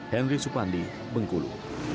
henry supandi bengkulu